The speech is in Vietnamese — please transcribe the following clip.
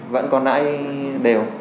vẫn còn nãy đều